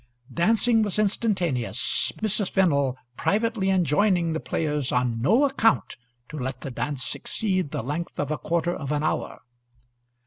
Dancing was instantaneous, Mrs. Fennel privately enjoining the players on no account to let the dance exceed the length of a quarter of an hour.